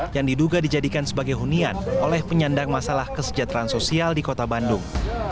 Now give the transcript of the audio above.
yang diduga dijadikan sebagai hunian oleh penyandang masalah kesejahteraan sosial di kota bandung